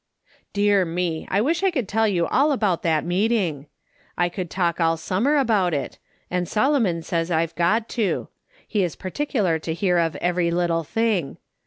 " Dear me ! I wish I could tell you all about that meeting. I could talk all summer about it; and Solomon says I've got to. He is particular to hear of every little thing.